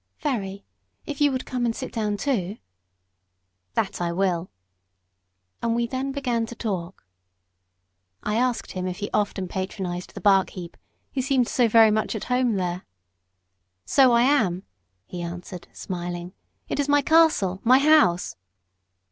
"Very, if you would come and sit down too." "That I will." And we then began to talk. I asked him if he often patronised the bark heap, he seemed so very much at home there. "So I am," he answered, smiling; "it is my castle my house."